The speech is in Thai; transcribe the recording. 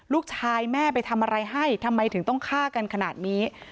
ลูกชายแม่ไปทำอะไรให้ทำไมถึงต้องฆ่ากันขนาดนี้